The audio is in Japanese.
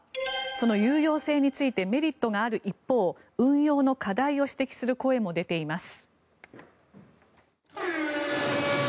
その有用性についてメリットがある一方運用の課題を指摘する声も出ています。